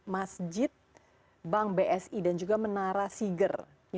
masjid bank bsi dan juga menara siger